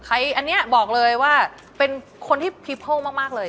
อันนี้บอกเลยว่าเป็นคนที่พีโพลมากเลย